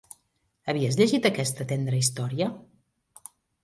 Havies llegit aquesta tendra història?